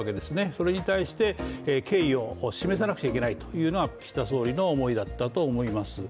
それに対して、敬意を示さなくちゃいけないというのが岸田総理の思いだったと思います。